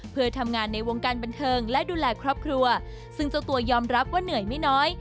เพื่อทำงานในวงการบันเทิงและดูแลครอบครัวซึ่งเจ้าตัวยอมรับว่าเหนื่อยไม่น้อย